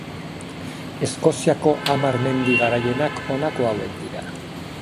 Eskoziako hamar mendi garaienak honako hauek dira.